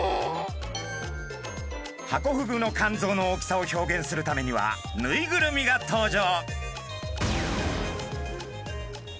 ハコフグの肝臓の大きさを表現するためにはぬいぐるみが登場。